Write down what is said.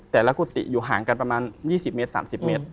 กุฏิอยู่ห่างกันประมาณ๒๐เมตร๓๐เมตร